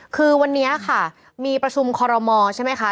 คือวันนี้ค่ะมีประชุมคอรมอใช่ไหมคะ